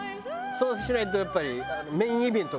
そうしないとやっぱり。